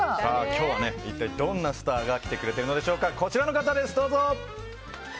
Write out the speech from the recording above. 今日は一体どんなスターが来てくれているのでしょうか。